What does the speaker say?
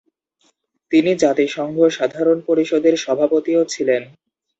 তিনি জাতিসংঘ সাধারণ পরিষদের সভাপতিও ছিলেন।